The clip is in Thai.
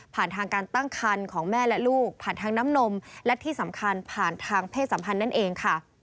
ผ่านทางการตั้งคันของแม่และลูกผ่านทางน้ำนมและที่สำคัญผ่านทางเพศสัมพันธ์นั่นเองค่ะ